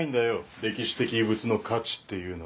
歴史的遺物の価値っていうのは。